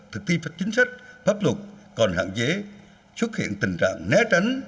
thực tiên pháp chính sách pháp luật còn hạn chế xuất hiện tình trạng né tránh